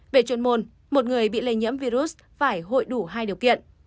về chuyên môn một người bị lây nhiễm virus phải hội đủ hai điều kiện